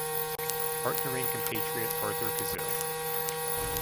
Partnering compatriot Arthur Cazaux.